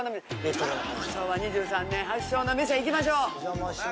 昭和２３年発祥の店行きましょう。